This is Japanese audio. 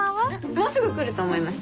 もうすぐ来ると思います。